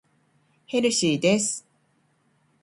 ヘルシーです。